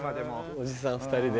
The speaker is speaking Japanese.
おじさん２人で。